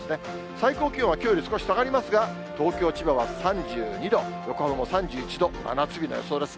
最高気温はきょうより少し下がりますが、東京、千葉は３２度、横浜も３１度、真夏日の予想です。